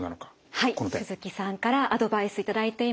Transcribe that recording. はい鈴木さんからアドバイス頂いています。